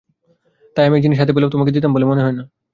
তাই আমি এ জিনিস হাতে পেলেও তোমাকে দিতাম বলে মনে হয় না।